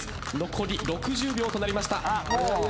残り６０秒となりました。